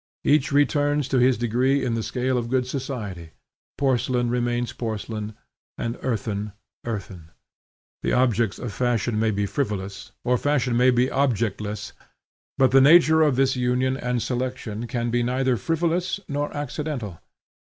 Each returns to his degree in the scale of good society, porcelain remains porcelain, and earthen earthen. The objects of fashion may be frivolous, or fashion may be objectless, but the nature of this union and selection can be neither frivolous nor accidental.